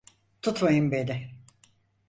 Tutmayın beni!